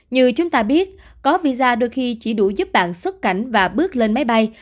như chúng ta biết có visa đôi khi chỉ đủ giúp bạn xuất cảnh và bước lên máy bay